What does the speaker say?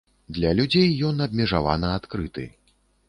Для людзей ён абмежавана адкрыты.